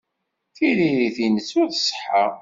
Tiririt-nnes ur tṣeḥḥa.